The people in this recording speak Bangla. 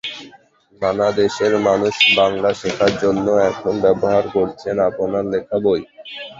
নানা দেশের মানুষ বাংলা শেখার জন্য এখন ব্যবহার করছেন আপনার লেখা বই।